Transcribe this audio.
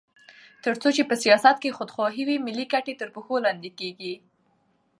تر څو چې په سیاست کې خودخواهي وي، ملي ګټې تر پښو لاندې کېږي.